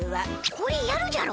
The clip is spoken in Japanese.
これやるじゃろ。